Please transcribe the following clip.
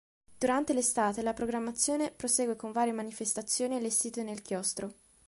Durante l'estate la programmazione prosegue con varie manifestazioni allestite nel chiostro.